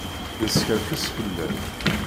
Neskerkes fell-am.